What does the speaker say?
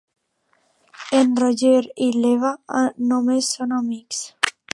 En Roger i l'Eva només són amics.